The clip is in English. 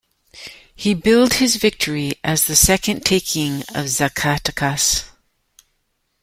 He billed his victory as "the second taking of Zacatecas.